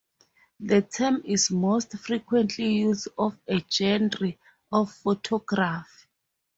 The term is most frequently used of a genre of photography.